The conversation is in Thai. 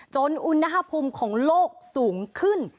อุณหภูมิของโลกสูงขึ้น